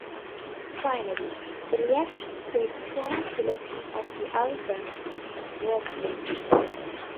Finally, the reaction to the song selection on the album was mixed.